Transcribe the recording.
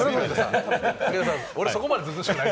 俺、そこまで図々しくはない。